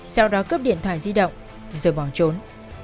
sau đó cướp điện thoại di động rồi bỏ trốn